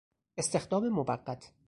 استخدام موقت